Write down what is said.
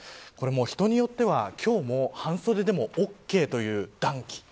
人によっては、今日も半袖でもオーケー、という暖気